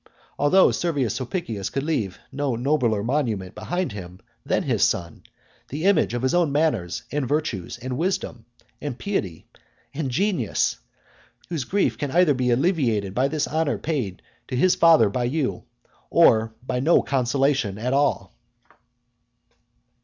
Although Servius Sulpicius could leave no nobler monument behind him than his son, the image of his own manners, and virtues, and wisdom, and piety, and genius; whose grief can either be alleviated by this honour paid to his father by you, or by no consolation at all.